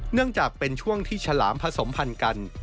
เนื่องจากเป็นช่วงที่ฉลามผสมพันธุ์กัน